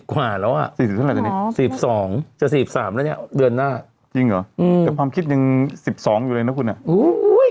กว่าเราอ่ะ๕๒อย่างเดือนหน้าจริงไหมคิดยัง๑๒เลยนะคุณอ่ะอุ้ย